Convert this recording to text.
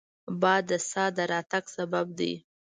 باد د سا د راتګ سبب دی